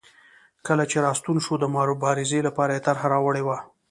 کله چې راستون شو د مبارزې لپاره یې طرحه راوړې وه.